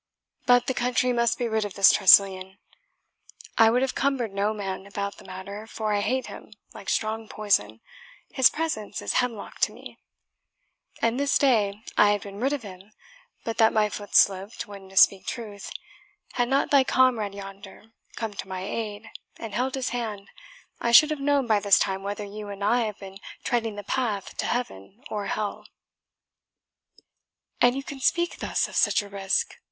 But the country must be rid of this Tressilian. I would have cumbered no man about the matter, for I hate him like strong poison his presence is hemlock to me and this day I had been rid of him, but that my foot slipped, when, to speak truth, had not thy comrade yonder come to my aid, and held his hand, I should have known by this time whether you and I have been treading the path to heaven or hell." "And you can speak thus of such a risk!"